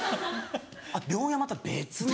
あっ病院はまた別の。